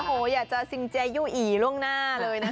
โอ้โหอยากจะซิงเจยู่อีล่วงหน้าเลยนะคะ